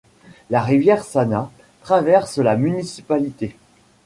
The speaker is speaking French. La rivière Sana traverse la municipalité.